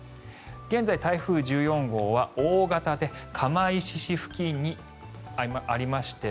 現在、台風１４号は大型で釜石市付近にありまして